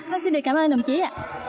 rất xin cảm ơn đồng chí ạ